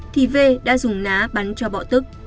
thì v đã dùng ná bắn cho bỏ tức